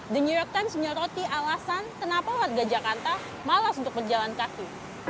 the new york times menyoroti alasan kenapa warga jakarta malas untuk berjalan kaki